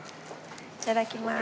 いただきます！